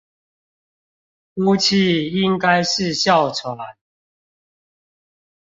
呼氣應該是哮喘